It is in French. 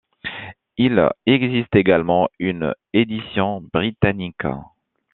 Il existe également une édition britannique.